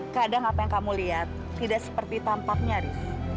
kadang apa yang kamu lihat tidak seperti tampaknya nih